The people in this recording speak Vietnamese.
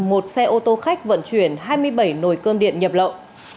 một xe ô tô khách vận chuyển hai mươi bảy nồi cơm điện nhập lậu